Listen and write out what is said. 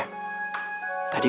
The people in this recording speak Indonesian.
tadi kata dia